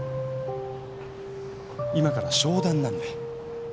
今から商談なんで。